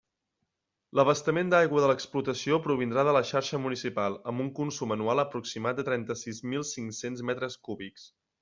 L'abastament d'aigua de l'explotació provindrà de la xarxa municipal, amb un consum anual aproximat de trenta-set mil cinc-cents metres cúbics.